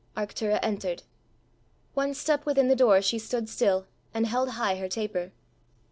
Arctura entered. One step within the door she stood still, and held high her taper.